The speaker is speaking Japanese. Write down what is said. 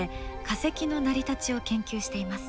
化石の成り立ちを研究しています。